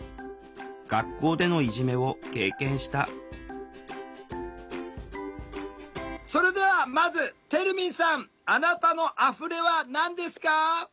学校でのいじめを経験したそれではまずてるみんさんあなたの「あふれ」は何ですか？